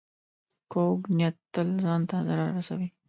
کوږ نیت تل ځان ته ضرر رسوي